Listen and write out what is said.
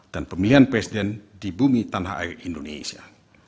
dan pemilihan presiden di bumi tanah air indonesia